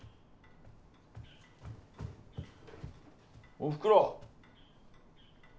おふくろ？